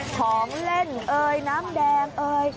ของเล่นน้ำแดง